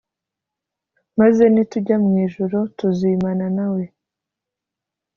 Maze, ni tujya mw ijuru, Tuzimana nawe